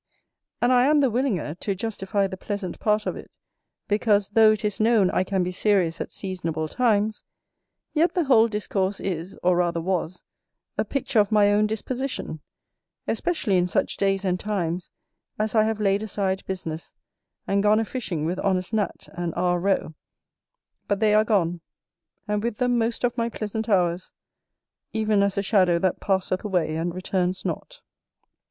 And I am the willinger to justify the pleasant part of it, because though it is known I can be serious at seasonable times, yet the whole Discourse is, or rather was, a picture of my own disposition, especially in such days and times as I have laid aside business, and gone a fishing with honest Nat. and R. Roe; but they are gone, and with them most of my pleasant hours, even as a shadow that passeth away and returns not.